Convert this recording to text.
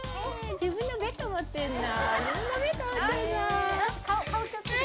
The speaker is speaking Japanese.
自分のベッド持ってるの。